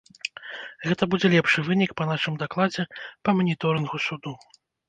Гэта будзе лепшы вынік па нашым дакладзе па маніторынгу суду.